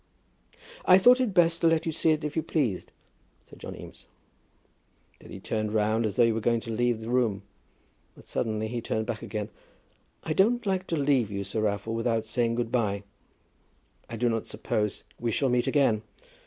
"I thought it best to let you see it if you pleased," said John Eames. Then he turned round as though he were going to leave the room; but suddenly he turned back again. "I don't like to leave you, Sir Raffle, without saying good by. I do not suppose we shall meet again.